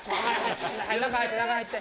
中入って中入って。